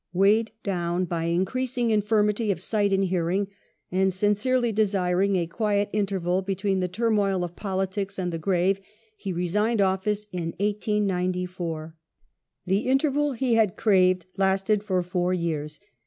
Weighed down by increasing infirmity of sight and hearing, and sincerely desiring a quiet interval between the turmoil of politics and the grave, he resigned office in March, 1894. The interval he had craved lasted for fom* years.